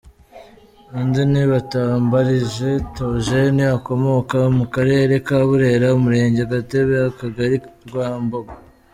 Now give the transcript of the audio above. Undi ni Batambarije Theogene ukomoka mu karere ka Burera Umurenge Gatebe Akagari Rwambongo.